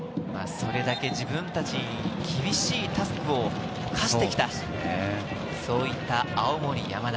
それだけ自分達に厳しいタスクを課してきた青森山田。